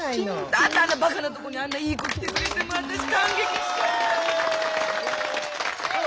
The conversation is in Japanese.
だってあんなバカな男にあんないい子来てくれてもう私感激してる。